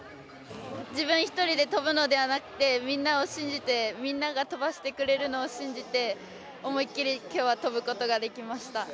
自分１人で跳ぶのではなくてみんなを信じてみんなが跳ばしてくれるのを信じて思い切り今日は跳ぶことができました。